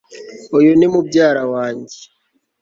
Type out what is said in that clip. uyu ni mubyara wanjye